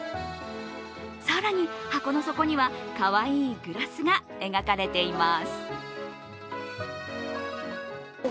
更に箱の底には、かわいいグラスが描かれています。